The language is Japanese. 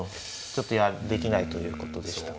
ちょっとできないということでしたか。